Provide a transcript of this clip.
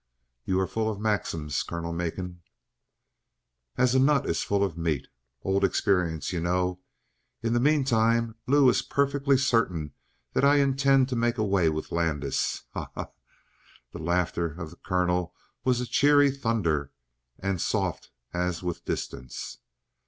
"You are full of maxims, Colonel Macon." "As a nut is full of meat. Old experience, you know. In the meantime Lou is perfectly certain that I intend to make away with Landis. Ha, ha, ha!" The laughter of the colonel was a cheery thunder, and soft as with distance.